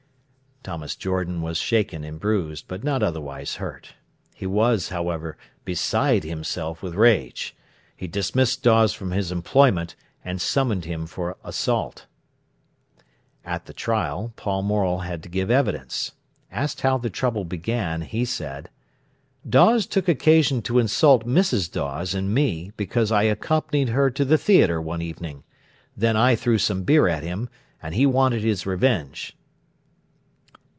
Thomas Jordan was shaken and bruised, not otherwise hurt. He was, however, beside himself with rage. He dismissed Dawes from his employment, and summoned him for assault. At the trial Paul Morel had to give evidence. Asked how the trouble began, he said: "Dawes took occasion to insult Mrs. Dawes and me because I accompanied her to the theatre one evening; then I threw some beer at him, and he wanted his revenge."